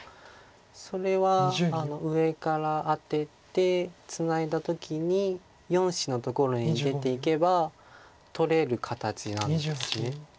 それは上からアテてツナいだ時に４子のところに出ていけば取れる形なんです。